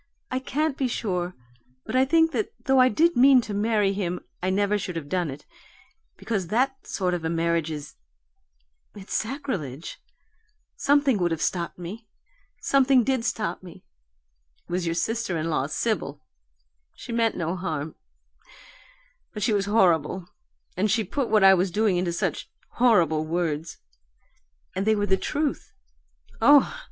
I can't be sure, but I think that though I did mean to marry him I never should have done it, because that sort of a marriage is it's sacrilege something would have stopped me. Something did stop me; it was your sister in law, Sibyl. She meant no harm but she was horrible, and she put what I was doing into such horrible words and they were the truth oh!